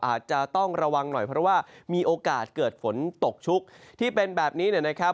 อาจจะต้องระวังหน่อยเพราะว่ามีโอกาสเกิดฝนตกชุกที่เป็นแบบนี้เนี่ยนะครับ